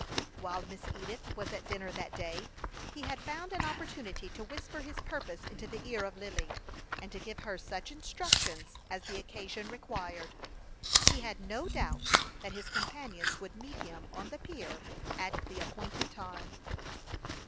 While Miss Edith was at dinner that day, he had found an opportunity to whisper his purpose into the ear of Lily, and to give her such instructions as the occasion required. He had no doubt that his companions would meet him on the pier at the appointed time.